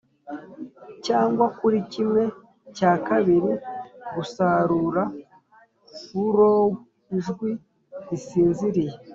cyangwa kuri kimwe cya kabiri-gusarura furrow ijwi risinziriye,